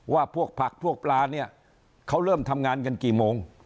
ว่าพวกผักพวกปลาเนี่ยเขาเริ่มทำงานกันกี่โมง